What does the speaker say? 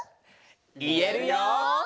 いえるよ！